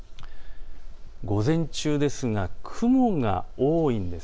午前中ですが雲が多いんです。